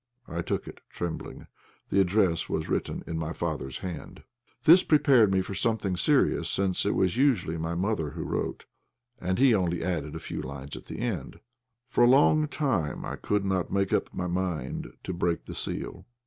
I took it trembling. The address was written in my father's hand. This prepared me for something serious, since it was usually my mother who wrote, and he only added a few lines at the end. For a long time I could not make up my mind to break the seal.